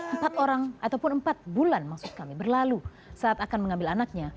empat orang ataupun empat bulan maksud kami berlalu saat akan mengambil anaknya